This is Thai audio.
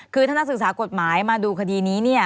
คือท่านสื่อสารกฎหมายมาดูคดีนี้